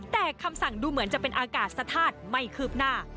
แต่คำสั่งดูเหมือนจะเป็นอากาศสะธาตุไม่คืบหน้า